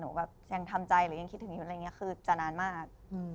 หนูแบบยังทำใจหรือยังคิดถึงนี่คือจะนานมาก